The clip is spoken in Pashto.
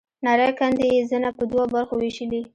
نرۍ کندې يې زنه په دوو برخو وېشلې.